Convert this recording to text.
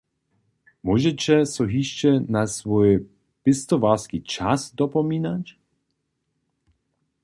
Móžeće so hišće na swój pěstowarski čas dopominać?